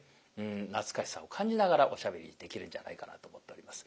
懐かしさを感じながらおしゃべりできるんじゃないかなと思っております。